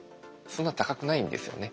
そんな高くないんですよね。